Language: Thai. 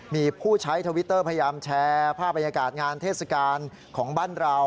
มีผู้ใช้ทวิตเตอร์พยายามแชร์ภาพบรรยากาศงานเทศกาลของบ้านเรา